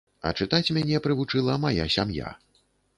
А чытаць мяне прывучыла мая сям'я.